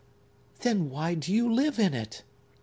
"Then why do you live in it?"